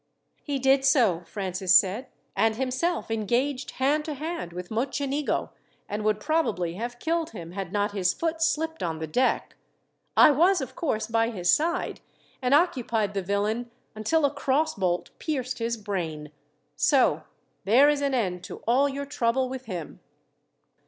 "He did so," Francis said, "and himself engaged hand to hand with Mocenigo, and would probably have killed him, had not his foot slipped on the deck. I was, of course, by his side, and occupied the villain until a cross bolt pierced his brain. So there is an end to all your trouble with him."